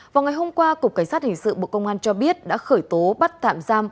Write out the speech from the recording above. vào ngày hôm qua cục cảnh sát hình sự bộ công an cho biết đã khởi tố bắt tạm giam